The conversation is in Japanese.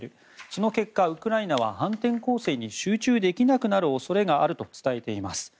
その結果、ウクライナは反転攻勢に集中できなくなる恐れがあると伝えています。